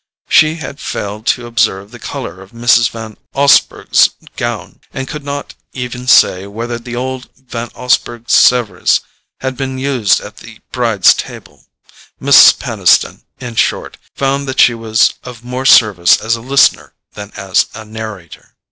She had failed to observe the colour of Mrs. Van Osburgh's gown, and could not even say whether the old Van Osburgh Sevres had been used at the bride's table: Mrs. Peniston, in short, found that she was of more service as a listener than as a narrator.